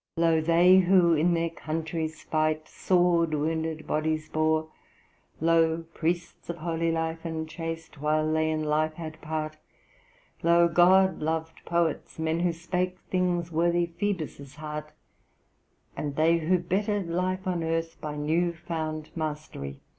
'Lo, they who in their country's fight sword wounded bodies bore; Lo, priests of holy life and chaste, while they in life had part; Lo, God loved poets, men who spake things worthy Phoebus' heart, And they who bettered life on earth by new found mastery.'